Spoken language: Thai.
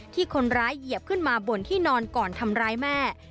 ที่คนร้ายเหยียบขึ้นมาบนที่นอนก่อนทำร้ายแม่